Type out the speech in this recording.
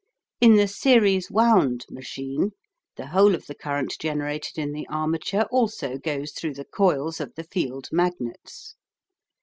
In the "series wound" machine the whole of the current generated in the armature also goes through the coils of the field magnets.